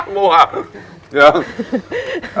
มั่วอ่ะ